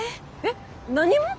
えっ何も？